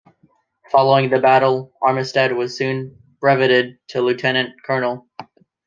Following the battle, Armistead was soon breveted to lieutenant colonel.